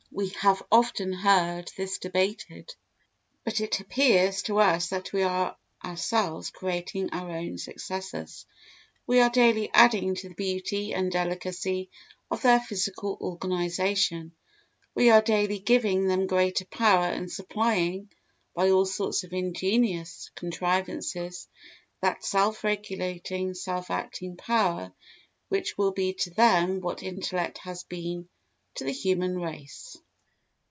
We have often heard this debated; but it appears to us that we are ourselves creating our own successors; we are daily adding to the beauty and delicacy of their physical organisation; we are daily giving them greater power and supplying, by all sorts of ingenious contrivances, that self regulating, self acting power which will be to them what intellect has been to the human race.